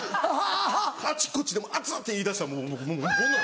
あちこちで「熱っ！」て言いだしたらもう僕こんなん。